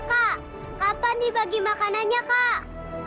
kak kapan dibagi makanannya kak